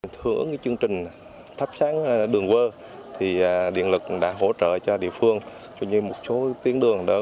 thứa chương trình thắp sáng đường vơ thì điện lực đã hỗ trợ cho địa phương cho những một số tuyến đường đó